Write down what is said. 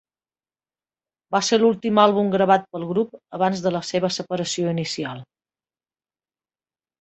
Va ser l'últim àlbum gravat pel grup abans de la seva separació inicial.